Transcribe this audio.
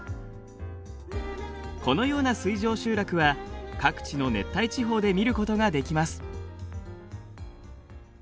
このような水上集落は各地の熱帯地方で見ることができます。